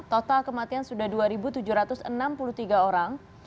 total kematian sudah dua tujuh ratus enam puluh tiga orang